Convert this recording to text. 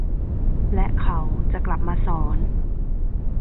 และเขาจะกลับมาสอน